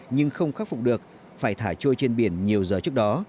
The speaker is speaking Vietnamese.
nhưng không khắc phục được phải thả trôi trên biển nhiều giờ trước đó